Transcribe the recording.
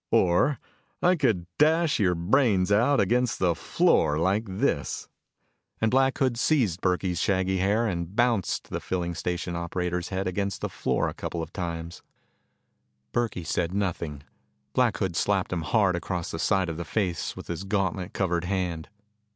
"Or I could dash your brains out against the floor like this." And Black Hood seized Burkey's shaggy hair and bounced the filling station operator's head against the floor a couple of times. Burkey said nothing. Black Hood slapped him hard across the side of the face with his gauntlet covered hand.